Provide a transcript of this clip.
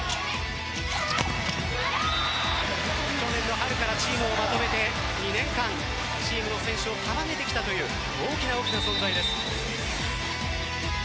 去年の春からチームをまとめて２年間、チームの選手を束ねてきたという大きな大きな存在です。